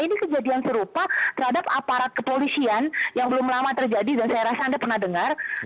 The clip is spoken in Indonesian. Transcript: ini kejadian serupa terhadap aparat kepolisian yang belum lama terjadi dan saya rasa anda pernah dengar